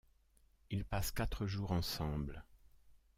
Ils passent quatre jours ensemble.